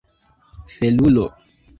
felulo